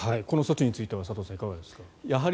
この措置については佐藤さん、いかがですか。